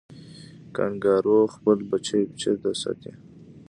کانګارو خپل بچی چیرته ساتي؟